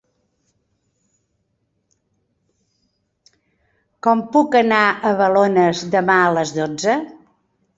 Com puc anar a Balones demà a les dotze?